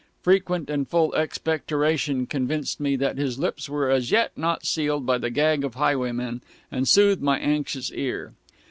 Frequent and full expectoration convinced me that his lips were as yet not sealed by the gag of highwaymen, and soothed my anxious ear.